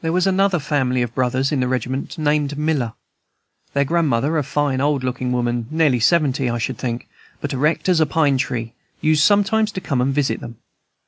There was another family of brothers in the regiment named Miller. Their grandmother, a fine looking old woman, nearly seventy, I should think, but erect as a pine tree, used sometimes to come and visit them.